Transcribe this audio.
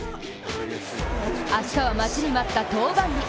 明日は待ちに待った登板日。